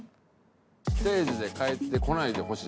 「定時で帰ってこないでほしい」